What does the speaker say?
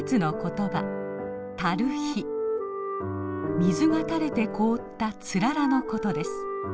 水が垂れて凍ったつららのことです。